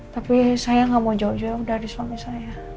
tapi saya gak mau jauh jauh dari suami saya